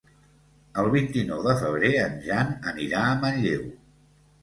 El vint-i-nou de febrer en Jan anirà a Manlleu.